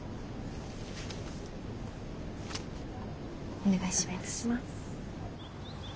お願いします。